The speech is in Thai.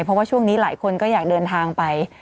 เพราะว่าช่วงนี้หลายคนก็อยากเดินทางไป